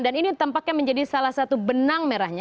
dan ini tampaknya menjadi salah satu benang merahnya